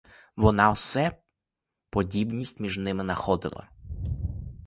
Вона все подібність між ним находила.